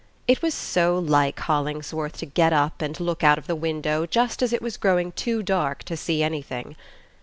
It was so like Hollingsworth to get up and look out of the window just as it was growing too dark to see anything!